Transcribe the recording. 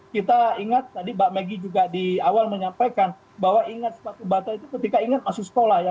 kita ingat tadi mbak megi juga di awal menyampaikan bahwa ingat sepatu bata itu ketika ingat masih sekolah ya